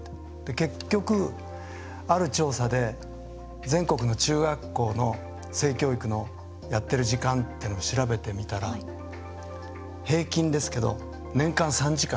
結局、ある調査で全国の中学校の性教育のやっている時間というのを調べてみたら平均ですけど年間３時間。